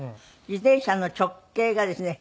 自転車の直径がですね